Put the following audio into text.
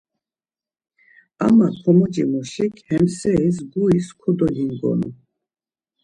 Ama komocimuşik hem seris guris kodolingonu.